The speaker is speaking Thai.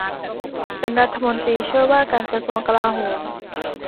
เป็นรัฐมนตรีช่วยว่าการกระทรวงกลาโหม